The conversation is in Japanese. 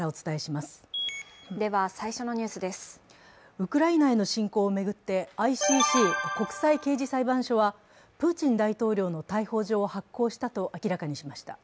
ウクライナへの侵攻を巡ってＩＣＣ＝国際刑事裁判所はプーチン大統領の逮捕状を発行したと明らかにしました。